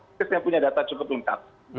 inggris yang punya data cukup luntar